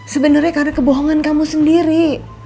sebenarnya karena kebohongan kamu sendiri